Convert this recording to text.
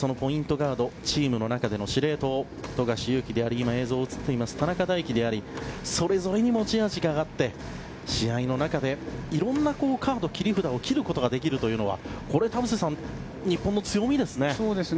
ガードチームの中での司令塔富樫勇樹であり田中大貴でありそれぞれに持ち味があって試合の中でいろんなカード、切り札を切ることができるというのは田臥さん日本の強みですよね。